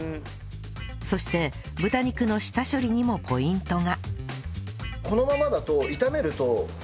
そして豚肉の下処理にもポイントが